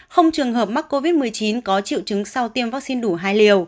không trường hợp mắc covid một mươi chín có triệu chứng sau tiêm vắc xin đủ hai liều